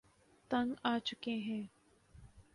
تنگ آچکے ہیں